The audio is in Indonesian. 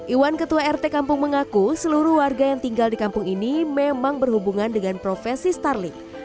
iwan ketua rt kampung mengaku seluruh warga yang tinggal di kampung ini memang berhubungan dengan profesi starling